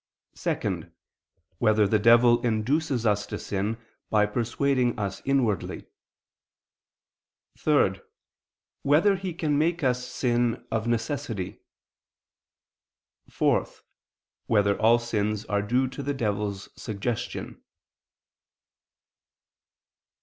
(2) Whether the devil induces us to sin, by persuading us inwardly? (3) Whether he can make us sin of necessity? (4) Whether all sins are due to the devil's suggestion?